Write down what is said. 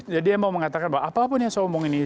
jadi saya mau mengatakan bahwa apapun yang saya omongin ini